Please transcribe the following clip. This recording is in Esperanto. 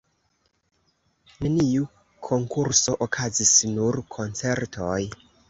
Neniu konkurso okazis, nur koncertoj.